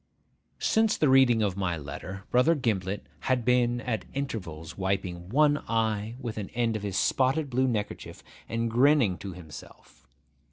Since the reading of my letter, Brother Gimblet had been at intervals wiping one eye with an end of his spotted blue neckerchief, and grinning to himself.